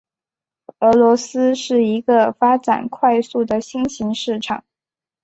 俄罗斯是一个发展快速的新型市场。